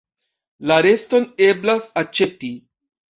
La reston eblas aĉeti.